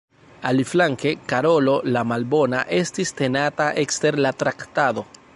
Aliflanke, Karolo la Malbona estis tenata ekster la traktado.